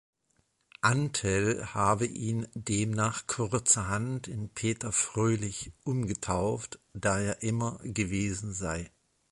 Antel habe ihn demnach kurzerhand in "Peter Fröhlich" „umgetauft“, da er immer gewesen sei.